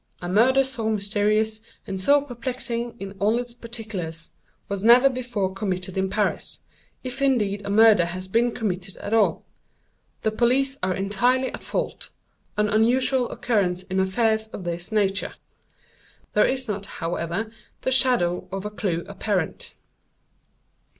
A murder so mysterious, and so perplexing in all its particulars, was never before committed in Paris—if indeed a murder has been committed at all. The police are entirely at fault—an unusual occurrence in affairs of this nature. There is not, however, the shadow of a clew apparent."